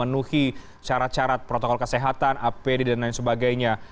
memenuhi cara cara protokol kesehatan apd dan lain sebagainya